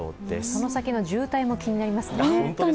この先の渋滞も気になりますね。